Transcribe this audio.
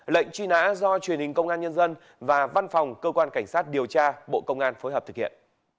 lệnh truy nã do truyền hình công an nhân dân và văn phòng cơ quan cảnh sát điều tra bộ công an phối hợp thực hiện